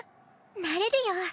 なれるよ。